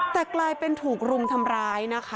แต่กลายเป็นถูกรุมทำร้ายนะคะ